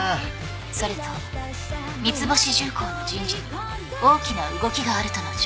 それと三ツ星重工の人事に大きな動きがあるとの情報が。